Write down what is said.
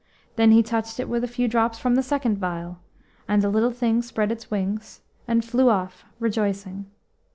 Then he touched it with a few drops from the second vial, and the little thing spread its wings, and flew off rejoicing.